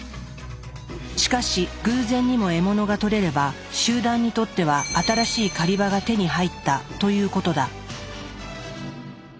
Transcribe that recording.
しかし偶然にも獲物がとれれば集団にとっては新しい狩場が手に入ったということだ。